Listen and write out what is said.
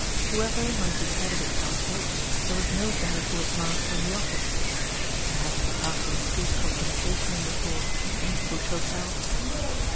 Whoever might be head of his household, there was no doubt who was master in the office. Perhaps he found some sweet compensation in the thought Who shall tell?